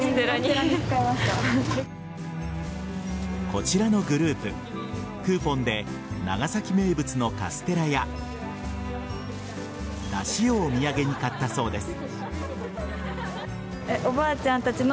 こちらのグループクーポンで長崎名物のカステラやだしをお土産に買ったそうです。